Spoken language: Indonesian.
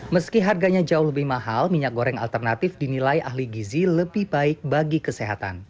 meski harganya jauh lebih mahal minyak goreng alternatif dinilai ahli gizi lebih baik bagi kesehatan